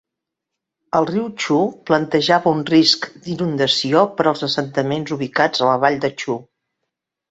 El riu Txu plantejava un risc d'inundació per als assentaments ubicats a la vall de Txu.